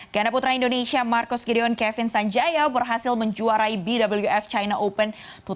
ganda putra indonesia marcus gideon kevin sanjaya berhasil menjuarai bwf china open dua ribu sembilan belas